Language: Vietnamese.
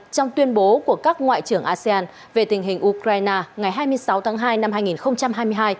trong tuyên bố của các ngoại trưởng asean về tình hình ukraine ngày hai mươi sáu tháng hai năm hai nghìn hai mươi hai